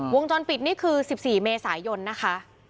วงจรปิดนี่คือ๑๔เมษายนนะคะ